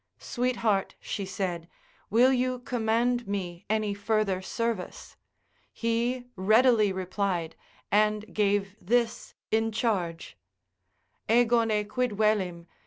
Sweet heart (she said) will you command me any further service? he readily replied, and gave in this charge, ———egone quid velim?